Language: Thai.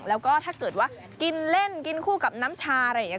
แล้วก็ถ้าเกิดว่ากินเล่นกินคู่กับน้ำชาอะไรอย่างนี้